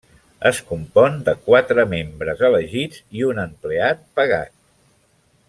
Es compon de quatre membres elegits i un empleat pagat.